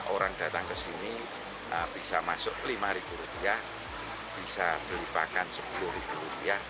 orang datang ke sini bisa masuk lima ribu rupiah bisa beli pakan sepuluh ribu rupiah